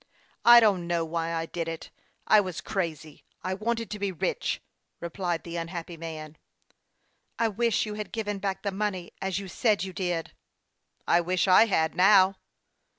" I don't know why I did it. I was crazy. I wanted to be rich," replied the unhappy man. " I wish you had given back the money, as you said you did." " I wish I had now."